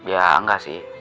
ya enggak sih